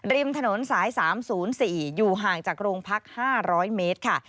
ริมถนนสาย๓๐๔อยู่ห่างจากโรงพัก๕๐๐เมตรค่ะ